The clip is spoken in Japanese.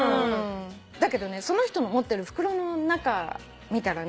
だけどねその人の持ってる袋の中見たらね